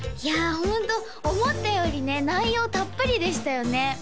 ホント思ったよりね内容たっぷりでしたよね